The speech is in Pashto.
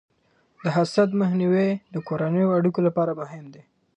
د حسد مخنیوی د کورنیو اړیکو لپاره مهم دی.